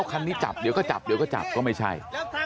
คันนี้จับเดี๋ยวก็จับก็ไม่ใช่